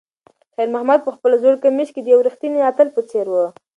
خیر محمد په خپل زوړ کمیس کې د یو ریښتیني اتل په څېر و.